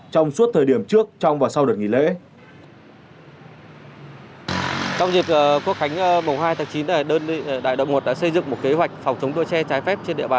trong suốt thời điểm trước trong và sau đợt nghỉ lễ